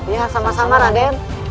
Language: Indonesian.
ya sama sama raden